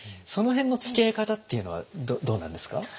その辺のつきあい方っていうのはどうなんですか？